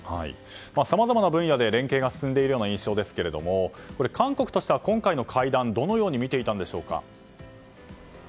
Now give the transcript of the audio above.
さまざまな分野で連携が進んでいるような印象ですが韓国としては今回の会談どのようにみていたんでしょうか。